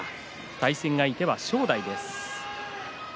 対戦相手は正代です。